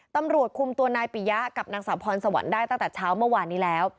ตำรวจคุมตัวนายปิยะกับนางสาวพรสวรรค์ได้ตั้งแต่เช้าเมื่อวานนี้แล้ว